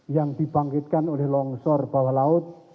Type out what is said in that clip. yang dibangkitkan oleh longsor bawah laut